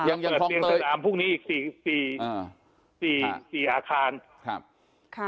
ยังยังทางแปลงพรุ่งนี้อีกสี่สี่สี่อาคารค่ะ